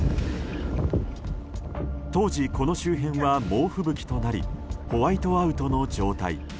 当時、この周辺は猛吹雪となりホワイトアウトの状態。